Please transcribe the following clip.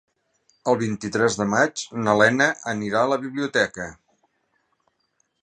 El vint-i-tres de maig na Lena anirà a la biblioteca.